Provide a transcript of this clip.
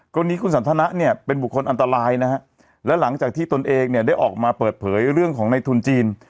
กรณีคุณสันทนะเนี่ยเป็นบุคคลอันตรายนะฮะแล้วหลังจากที่ตนเองเนี่ยได้ออกมาเปิดเผยเรื่องของในทุนจีน